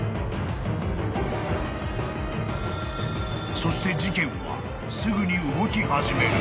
［そして事件はすぐに動き始める］